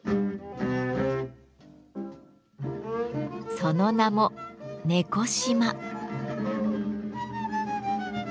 その名も猫島。